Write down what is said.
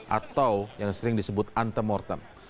atau yang sering disebut antemortem